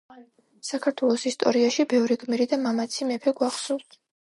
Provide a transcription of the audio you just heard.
საქართველოს ისტორიაში ბევრი გმირი და მამაცი მეფე გვახსოვს.